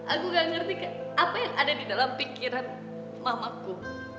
aku gak ngerti apa yang ada di dalam pikiran mamaku